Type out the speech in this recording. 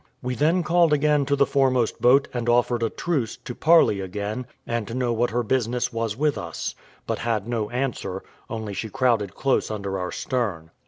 We then called again to the foremost boat, and offered a truce, to parley again, and to know what her business was with us; but had no answer, only she crowded close under our stern.